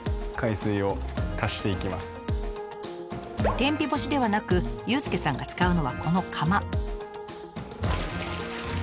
天日干しではなく佑介さんが使うのはこの釜。